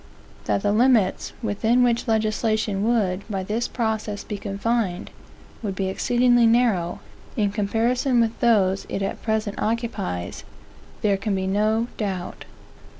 That the limits, within which legislation would, by this process, be confined, would be exceedingly narrow, in comparison with those it at present occupies, there can be no doubt.